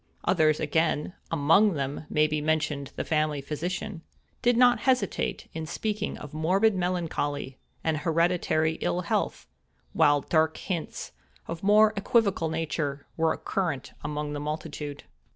Others again (among them may be mentioned the family physician) did not hesitate in speaking of morbid melancholy, and hereditary ill health; while dark hints, of a more equivocal nature, were current among the multitude.